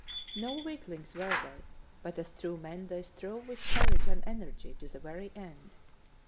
No weaklings were they, but as true men they strove with courage and energy to the very end.